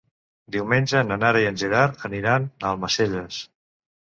Diumenge na Nara i en Gerard aniran a Almacelles.